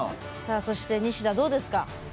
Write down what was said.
そしてニシダどうですか？